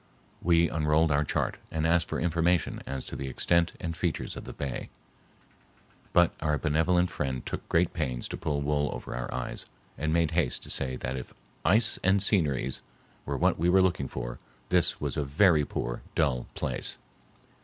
We unrolled our chart and asked for information as to the extent and features of the bay. But our benevolent friend took great pains to pull wool over our eyes, and made haste to say that if "ice and sceneries" were what we were looking for, this was a very poor, dull place.